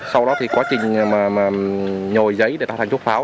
sau đó thì quá trình mà nhồi giấy để tạo thành thuốc pháo